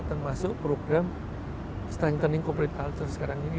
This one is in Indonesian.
termasuk program strengthening corporate culture sekarang ini